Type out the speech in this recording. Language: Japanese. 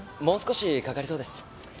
もう少しかかりそうです。